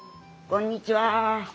こんにちは。